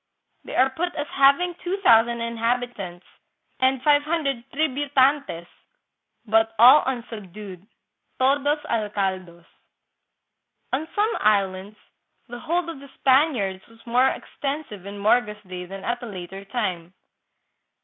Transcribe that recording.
They are put as having two thou sand inhabitants and five hundred " tributantes," but all unsubdued ("todos algados"). On some islands the hold of the Spaniards was more extensive in Morga's day than at a later time.